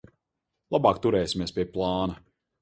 Labāk turēsimies pie plāna.